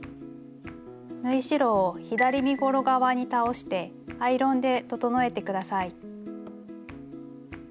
縫い代を左身ごろ側に倒してアイロンで整えて下さい。